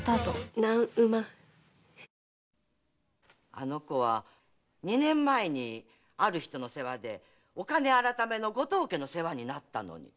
あの子は二年前にある人の世話で御金改の後藤家の世話になったのに。